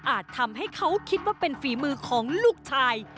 ทำให้เขาคิดว่าเป็นฝีมือของลูกชาย